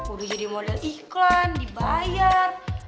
udah jadi model iklan dibayar